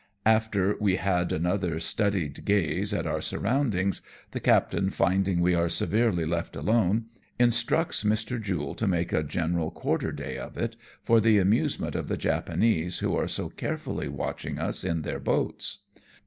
After we have had another studied gaze at our surroundings, the captain finding we are severely left alone, instructs Mr. Jule to make a general quarter day of it, for the amusement of the Japanese who are so carefully watching us in their boats.